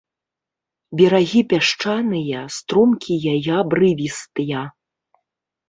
Берагі пясчаныя, стромкія і абрывістыя.